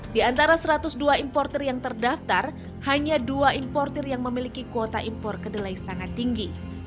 di antara satu ratus dua importer yang terdaftar hanya dua importer yang memiliki kuota impor kedelai sangat tinggi